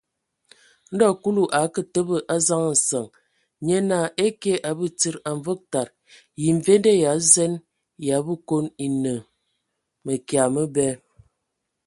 Ndo Kulu a akǝ təbǝ a zaŋ nsəŋ, nye naa: Ekye A Batsidi, a Mvog tad, yə mvende Ya zen ya a Bekon e no mǝkya məbɛ?